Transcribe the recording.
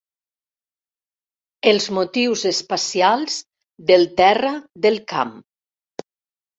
Els motius espacials del terra del camp.